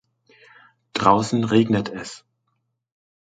Draußen regnet es.